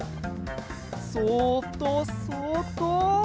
そっとそっと。